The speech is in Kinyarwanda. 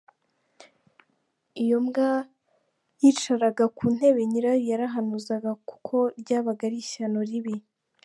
Iyo imbwa yicaraga ku ntebe nyirayo yarahanuzaga kuko ryabaga ari ishyano ribi.